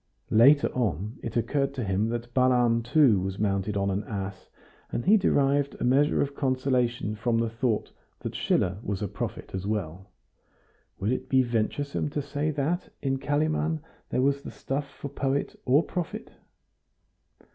Later on it occurred to him that Balaam too was mounted on an ass, and he derived a measure of consolation from the thought that Schiller was a prophet as well. Would it be venturesome to say that in Kalimann there was the stuff for poet or prophet?